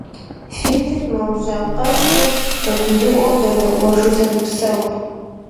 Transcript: Феплъыт, мо бжьэ къэпщӏыр зэгурыӏуэрэ зэдэӏуэжу зэрыпсэур.